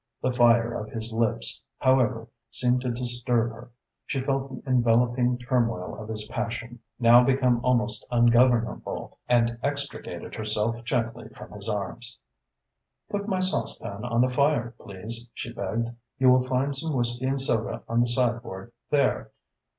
The fire of his lips, however, seemed to disturb her. She felt the enveloping turmoil of his passion, now become almost ungovernable, and extricated herself gently from his arms. "Put my saucepan on the fire, please," she begged. "You will find some whisky and soda on the sideboard there.